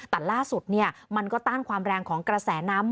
แต่ล่าสุดมันก็ต้านความแรงของกระแสน้ำ